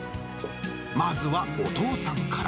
まずはお父さんから。